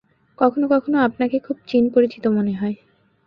কখনও কখনও আপনাকে খুব চিন পরিচিত মনে হয়।